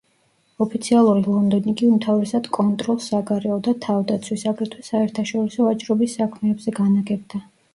ოფიციალური ლონდონი კი უმთავრესად კონტროლს საგარეო და თავდაცვის, აგრეთვე საერთაშორისო ვაჭრობის საქმეებზე განაგებდა.